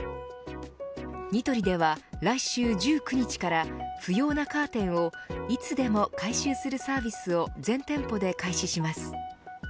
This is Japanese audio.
ニトリでは、来週１９日から不要なカーテンをいつでも回収するサービスを全店舗で開始します。